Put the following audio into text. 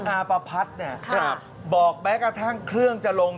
อาปภัฐบอกแม้กระทั่งเครื่องจะลง